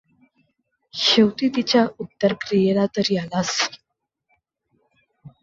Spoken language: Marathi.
शेवटी तिच्या उत्तरक्रियेला तरी आलास.